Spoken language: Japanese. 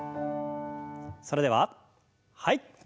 それでははい。